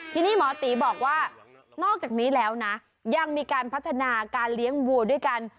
ทีนี้หมอตีบอกว่านอกจากนี้แล้วนะยังมีการพัฒนาการเลี้ยงวัวด้วยกัน